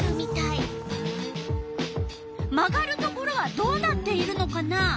曲がるところはどうなっているのかな？